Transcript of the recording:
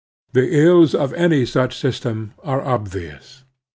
The ills of any such system are obvious.